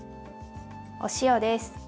お塩です。